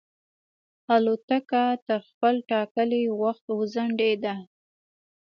الوتکه تر خپل ټاکلي وخت وځنډېده.